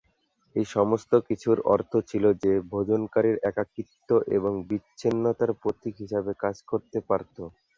এই সমস্তকিছুর অর্থ ছিল যে, ভোজনকারীরা একাকিত্ব এবং বিচ্ছিন্নতার প্রতীক হিসেবে কাজ করতে পারত।